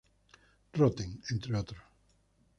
Rotem, entre otros.